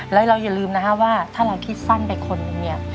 แล้วเราอย่าลืมนะฮะว่าถ้าเราคิดสั้นไปคนหนึ่งเนี่ย